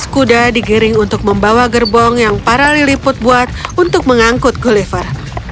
tiga ratus kuda digiring untuk membawa gerbong yang para lilih put buat untuk mengangkut gulliver